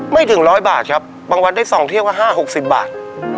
ไม่ถึง๑๐๐บาทครับบางวันได้๒เที่ยวก็๕๖๐บาท